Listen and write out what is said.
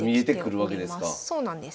そうなんです。